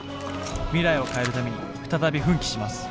未来を変えるために再び奮起します。